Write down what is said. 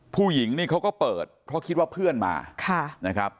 ผู้หญิงนี่เขาก็เปิดเพราะคิดว่าเพื่อนมานะครับ